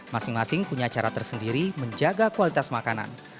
masing masing punya cara tersendiri menjaga kualitas makanan